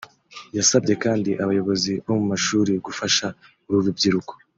yasabye kandi abayobozi bo mu mashuri gufasha uru rubyiruko